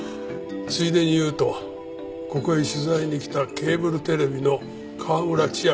ついでに言うとここへ取材に来たケーブルテレビの川村千秋。